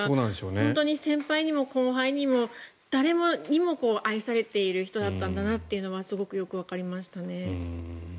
本当に先輩にも後輩にも誰にも愛されている人だったんだなとはすごくよくわかりましたね。